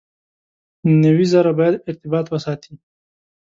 نوي زره باید ارتباطات وساتي.